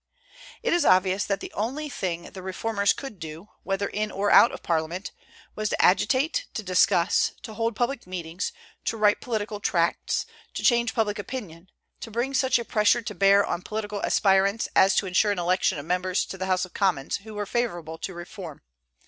It is obvious that the only thing the reformers could do, whether in or out of Parliament, was to agitate, to discuss, to hold public meetings, to write political tracts, to change public opinion, to bring such a pressure to bear on political aspirants as to insure an election of members to the House of Commons who were favorable to reform.